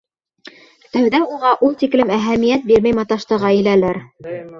Тәүҙә уға ул тиклем әһәмиәт бирмәй маташты ғаиләләр.